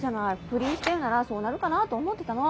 不倫してるならそうなるかなと思ってたの。